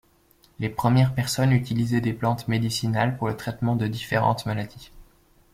Les premières personnes utilisaient des plantes médicinales pour le traitement de différentes maladies.